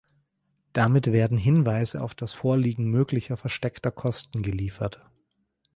Damit werden Hinweise auf das Vorliegen möglicher versteckter Kosten geliefert.